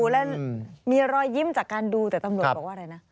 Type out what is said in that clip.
แล้วมีรอยยิ้มจากการดูแต่ตำรวจบอกว่าอะไรนะ